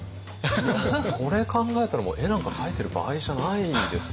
いやもうそれ考えたら絵なんか描いてる場合じゃないですよね。